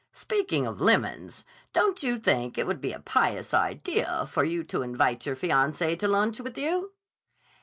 "Speaking of lemons, don't you think it would be a pious idea for you to invite your fiancé to lunch with you?"